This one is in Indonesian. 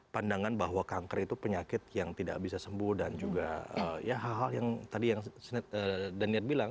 pandangan bahwa kanker itu penyakit yang tidak bisa sembuh dan juga ya hal hal yang tadi yang daniel bilang